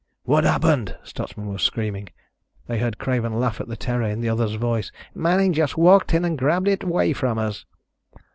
"What happened?" Stutsman was screaming. They heard Craven laugh at the terror in the other's voice. "Manning just walked in and grabbed it away from us."